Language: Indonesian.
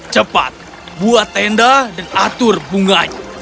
cepat buat tenda dan atur bunganya